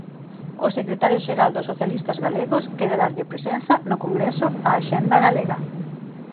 O secretario xeral dos socialistas galegos quere darlle presenza no Congreso á axenda galega.